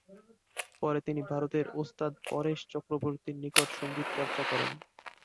পরে তিনি ভারতের ওস্তাদ পরেশ চক্রবর্তীর নিকট সঙ্গীত চর্চা করেন।